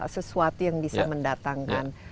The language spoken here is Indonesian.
sesuatu yang bisa mendatangkan